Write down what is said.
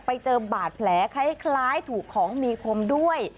ไปเจอบาดแผลคล้ายถูกของมีคมด้วย